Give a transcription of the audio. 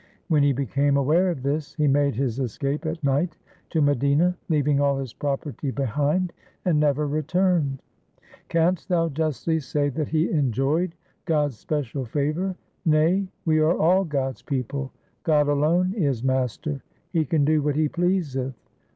When he became aware of this, he made his escape at night to Madina, leaving all his property behind, and never returned. Canst thou justly say that he enjoyed God's special favour ? Nay, we are all God's people. God alone is master ; He can do what He pleaseth.